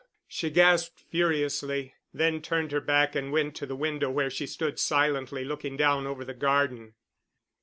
she gasped furiously, then turned her back and went to the window where she stood silently looking down over the garden.